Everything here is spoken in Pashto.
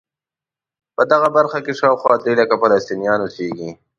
په دغه برخه کې شاوخوا درې لکه فلسطینیان اوسېږي.